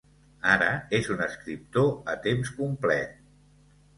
Ara és un escriptor a temps complet.